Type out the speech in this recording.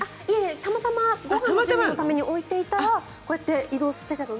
たまたまご飯の準備のために置いていたらこうやって移動していたので。